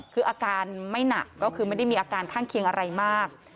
คืออาการไม่หนักก็คือไม่ได้มีอาการข้างเคียงอะไรมาก